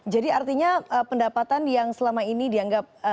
jadi artinya pendapatan yang selama ini dianggap tidak wujud